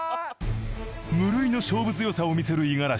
無類の勝負強さを見せる五十嵐。